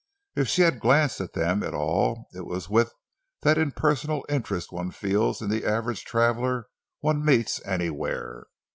If she had glanced at them at all it was with that impersonal interest one feels in the average traveler one meets anywhere.